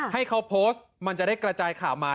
ให้เขาโพสต์มันจะได้กระจายข่าวมา